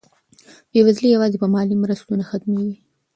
بېوزلي یوازې په مالي مرستو نه ختمېږي.